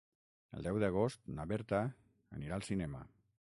El deu d'agost na Berta anirà al cinema.